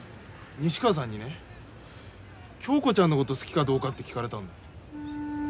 西川さんにね恭子ちゃんのことを好きかどうかって聞かれたんだ。